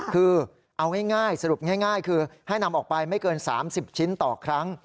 คือเอาง่ายสรุปง่ายคือให้นำออกไปไม่เกิน๓๐ชิ้นต่อครั้ง